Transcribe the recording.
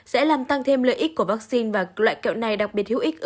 sẽ làm tăng thêm lợi ích của vaccine và loại kẹo này đặc biệt hữu ích